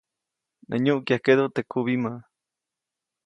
Nä nyuʼkyajkeʼdu teʼ kubimä.